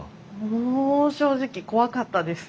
もう正直怖かったです。